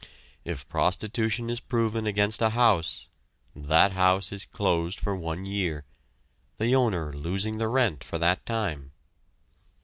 If prostitution is proven against a house, that house is closed for one year, the owner losing the rent for that time.